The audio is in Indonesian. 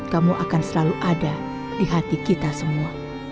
kamu akan selalu ada di hati kita semua